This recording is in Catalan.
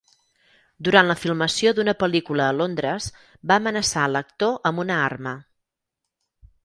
Durant la filmació d'una pel·lícula a Londres, va amenaçar a l'actor amb una arma.